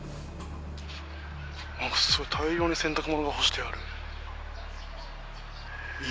すごい大量に洗濯物が干してある。